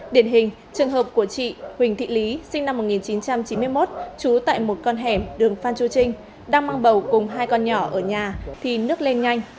điển hình trường hợp của chị huỳnh thị lý sinh năm một nghìn chín trăm chín mươi một trú tại một con hẻm đường phan chu trinh đang mang bầu cùng hai con nhỏ ở nhà thì nước lên nhanh